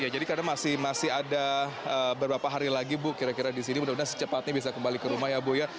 ya jadi karena masih ada beberapa hari lagi bu kira kira di sini mudah mudahan secepatnya bisa kembali ke rumah ya bu ya